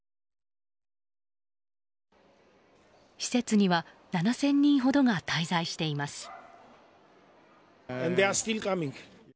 施設には７０００人ほどが滞在しています。